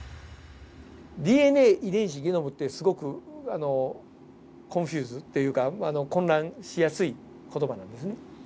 ＤＮＡ遺伝子ゲノムってすごくコンフューズっていうか混乱しやすい言葉なんですね。